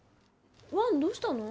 ワンどうしたの？